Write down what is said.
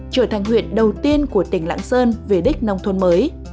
trở thành huyện đầu tiên của tỉnh lãng sơn về đích nông thuận mới